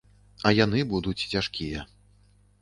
А яны будуць цяжкія.